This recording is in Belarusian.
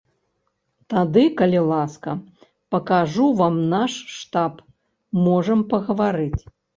Тады калі ласка, пакажу вам наш штаб, можам пагаварыць.